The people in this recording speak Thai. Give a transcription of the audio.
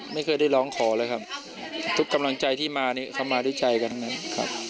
ไม่เคยได้ร้องขอเลยครับทุกกำลังใจที่มานี่เขามาด้วยใจกันทั้งนั้นครับ